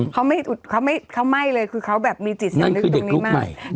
เขาไม่อุดเขาไหม้เลยคือเขาแบบมีจิตอยู่ตรงนี้มาก